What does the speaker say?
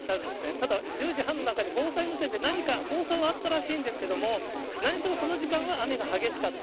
ただ、１０時半の段階で防災無線で何か放送があったらしいんですけれども、何しろその時間は雨が激しかった。